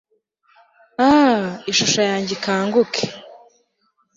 ah! ishusho yanjye ikanguke